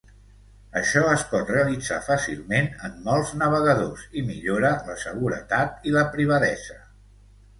Això es pot realitzar fàcilment en molts navegadors i millora la seguretat i la privadesa.